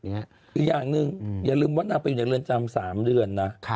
อีกอย่างหนึ่งอย่าลืมว่านางไปอยู่ในเรือนจำ๓เดือนนะ